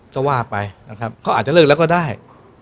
ก็ว่าไปนะครับเขาอาจจะเลิกแล้วก็ได้